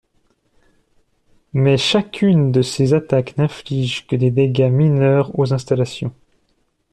Mais chacune de ces attaques n'inflige que des dégâts mineurs aux installations.